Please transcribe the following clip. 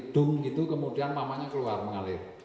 dung gitu kemudian mahmahnya keluar mengalir